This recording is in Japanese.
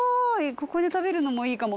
ここで食べるのもいいかも。